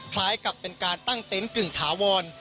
คล้ายกับเป็นการตั้งเต็นต์กึ่งถาวร